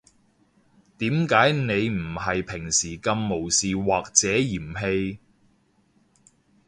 點解你唔係平時噉無視或者嫌棄